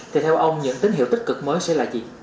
thì theo ông những tín hiệu tích cực mới sẽ là gì